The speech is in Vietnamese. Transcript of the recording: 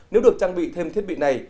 nếu được trang bị thêm thiết bị này